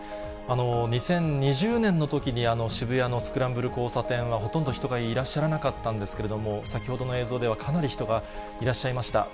２０２０年のときに渋谷のスクランブル交差点はほとんど人がいらっしゃらなかったんですけれども、先ほどの映像ではかなり人がいらっしゃいました。